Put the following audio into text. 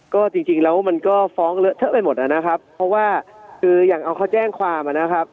ก็จริงแล้วมันก็ฟ้องเลอะเทอะไปหมดนะครับเพราะว่าคืออย่างเอาเขาแจ้งความนะครับ